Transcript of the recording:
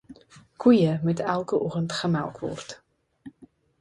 Koeie moet elke oggend gemelk word.